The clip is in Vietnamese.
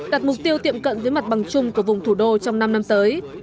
đặt mục tiêu tiệm cận với mặt bằng chung của vùng thủ đô trong năm năm tới